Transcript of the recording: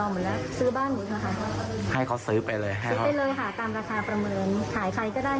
ไม่ได้เป็นคนที่เกี่ยวข้องในเรื่องของการรังงับการก่อสร้าง